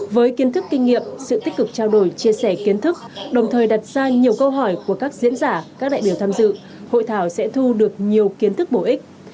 với kiến thức kinh nghiệm sự tích cực trao đổi chia sẻ kiến thức đồng thời đặt ra nhiều câu hỏi của các diễn giả các đại biểu tham dự hội thảo sẽ thu được nhiều kiến thức bổ ích